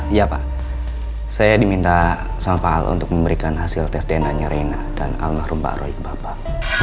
iya pak saya diminta sama pak al untuk memberikan hasil tes dna nya reina dan almarhum pak roy bapak